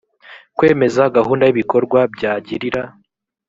kwemeza gahunda y ibikorwa byagirira